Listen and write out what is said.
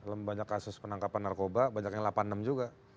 dalam banyak kasus penangkapan narkoba banyak yang delapan puluh enam juga